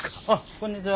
こんにちは。